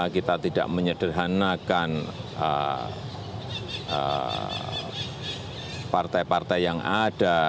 kita tidak menyederhanakan partai partai yang ada